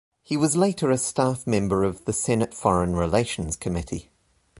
He was later a staff member of the Senate Foreign Relations Committee.